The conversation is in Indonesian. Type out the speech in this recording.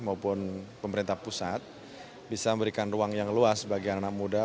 maupun pemerintah pusat bisa memberikan ruang yang luas bagi anak muda